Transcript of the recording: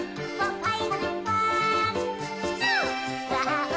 はい！